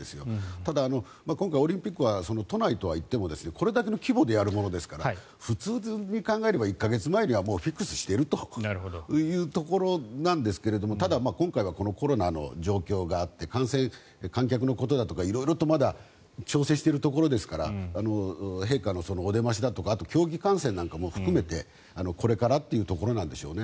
ただ、今回、オリンピックは都内とはいってもこれだけの規模でやるものなので普通に考えれば１か月前にはフィックスしているというところなんですがただ、今回はコロナの状況があって感染、観客のことだとか色々と調整しているところですから陛下のお出ましですとかあと競技観戦なんかも含めてこれからというところでしょうね。